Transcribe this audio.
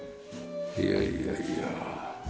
いやいやいや。